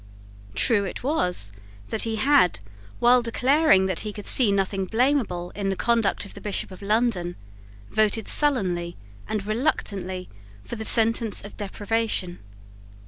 True it was that he had, while declaring that he could see nothing blamable in the conduct of the Bishop of London, voted sullenly and reluctantly for the sentence of deprivation.